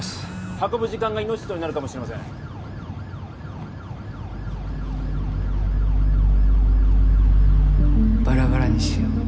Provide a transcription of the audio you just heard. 運ぶ時間が命取りになるかもしれませんバラバラにしよう